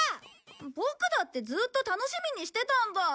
ボクだってずっと楽しみにしてたんだ。